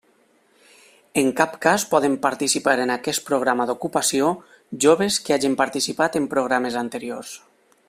En cap cas poden participar en aquest programa d'ocupació, joves que hagen participat en programes anteriors.